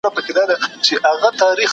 د بدن بوی د ژوند کیفیت ښيي.